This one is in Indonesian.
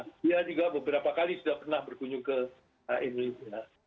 dia juga beberapa kali sudah pernah berkunjung ke indonesia